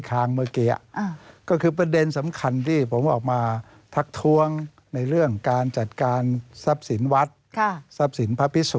พระบอสครรมศักดิ์การพระบอกัณฑสงฆ์อ